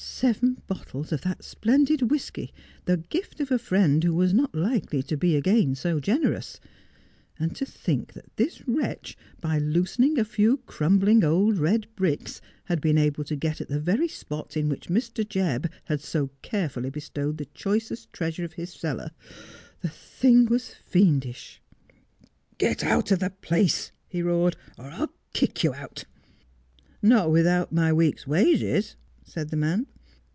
Seven bottles of that splendid whisky, the gift of a friend who was not likely to be again so generous ! And to think that this wretch, by loosening a few crumbling old red bricks, had heen able to get at the very spot in which Mr. Jebb had so care fully bestowed the choicest treasure of his cellar ! The thing was fiendish. ' Get out of the place,' he roared, ' or I'll kick you out.' ' Not without my week's wages,' said the man.